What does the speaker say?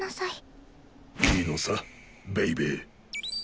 いいのさベイベー。